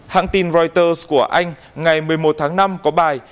hãng tin reuters của anh ngày một mươi một tháng năm có bài